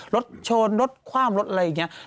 รถชนรถคว่ำรถอะไรอย่างนี้